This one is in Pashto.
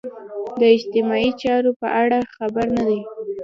د اجتماعي چارو په اړه خبر نه دي.